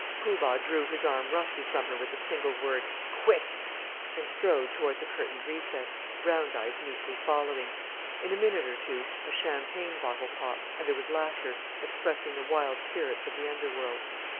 Poo Bah drew his arm roughly from her with the single word "Quit!" and strode towards a curtained recess, Roundeyes meekly following. In a minute or two a champagne bottle popped, and there was laughter, expressing the wild spirits of the underworld.